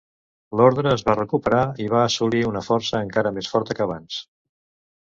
L'orde es va recuperar i va assolir una força encara més forta que abans.